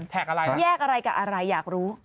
แท็กอะไรแยกอะไรกับอะไรอยากรู้